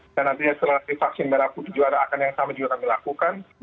dan nantinya setelah vaksin melakukan juga ada akan yang sama juga kami lakukan